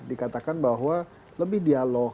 dikatakan bahwa lebih dialog